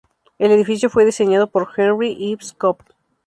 El edificio fue diseñado por Henry Ives Cobb.